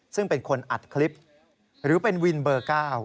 ซึ่งเป็นคนอัดคลิปหรือเป็นวินเบอร์๙